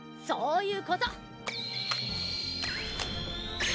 そういうこと！